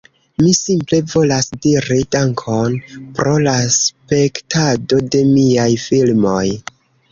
Mi simple volas diri "Dankon" pro la spektado de miaj filmoj.